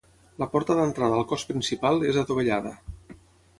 La porta d'entrada al cos principal és adovellada.